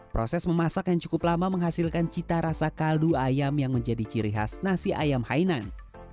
proses memasak yang cukup lama menghasilkan cita rasa kaldu ayam yang menjadi ciri khas nasi ayam hainan